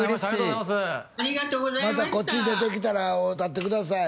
またこっちに出てきたら会うたってください